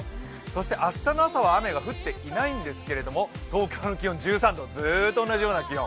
そして明日の朝は雨が降っていないんですが、東京の気温１３度、ずーっと同じような気温。